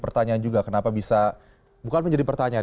pertanyaan juga kenapa bisa bukan menjadi pertanyaan